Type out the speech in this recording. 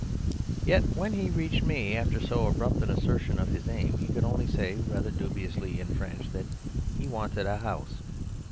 "Yet when he reached me, after so abrupt an assertion of his aim, he could only say rather dubiously in French that he wanted a house.